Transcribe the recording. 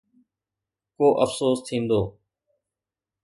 ڪو افسوس ٿيندو؟